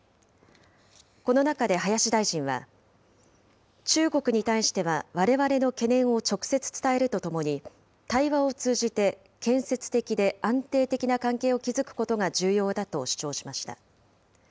この中で林大臣は、中国に対しては、われわれの懸念を直接伝えるとともに、対話を通じて、建設的で安定的な関係を築くことが重要だと主張しました。